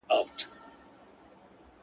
له غزل غزل د میني له داستانه ښایسته یې,